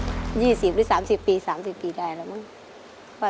๒๐หรือ๓๐ปี๓๐ปีได้ครับ